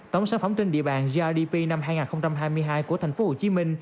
tổng sản phẩm trên địa bàn grdp năm hai nghìn hai mươi hai của tp hcm